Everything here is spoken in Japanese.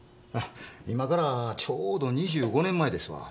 今からちょうど２５年前ですわ。